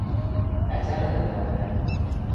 – Ӓтямӹнӹм нӓлӹнӓм.